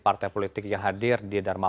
partai politik yang hadir di dharma